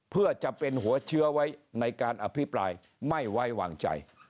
เพื่อจะเป็นหัวเชื้อไว้ในการอภิปรายไม่ไว้วางใจ